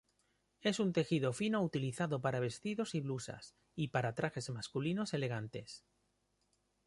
Es un tejido fino utilizado para vestidos y blusas, y para trajes masculinos elegantes.